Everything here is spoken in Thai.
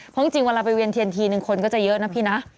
เพราะจริงเวลาไปเวียนเทียนทีนึงคนก็จะเยอะนะพี่นะ